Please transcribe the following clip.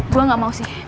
gue gak mau sih